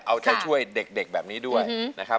เอาใจช่วยเด็กแบบนี้ด้วยนะครับ